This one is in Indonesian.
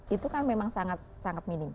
itu kan memang sangat minim